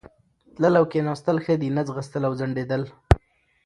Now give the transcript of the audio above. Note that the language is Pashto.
تلل او کښېنستل ښه دي، نه ځغستل او ځنډېدل.